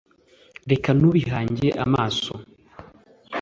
Reka tubihange amaso